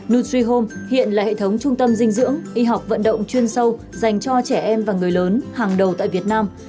nutrie home hiện là hệ thống trung tâm dinh dưỡng y học vận động chuyên sâu dành cho trẻ em và người lớn hàng đầu tại việt nam